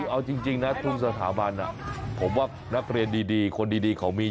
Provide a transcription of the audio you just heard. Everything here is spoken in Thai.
เอาจริงนะทุกสถาบันผมว่านักเรียนดีคนดีเขามี